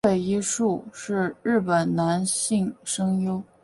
矢尾一树是日本男性声优。